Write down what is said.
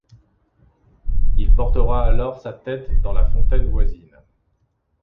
Il portera alors sa tête dans la fontaine voisine.